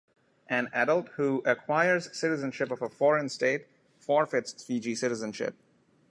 An adult who acquires citizenship of a foreign state forfeits Fiji citizenship.